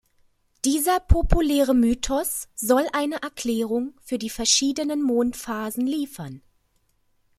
Dieser populäre Mythos soll eine Erklärung für die verschiedenen Mondphasen liefern.